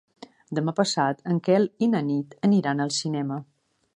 Demà passat en Quel i na Nit aniran al cinema.